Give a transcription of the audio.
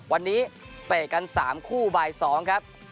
วันนี้เปลี่ยนกัน๓คู่ใบ๒ครับ